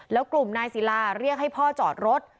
แล้วกลุ่มนายศิลาเรียกให้พ่อจอดรถ